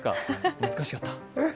難しかった。